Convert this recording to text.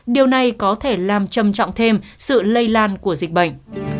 điều này có thể làm trầm trọng thêm sự lây lan của dịch bệnh